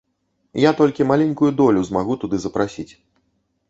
Я толькі маленькую долю змагу туды запрасіць.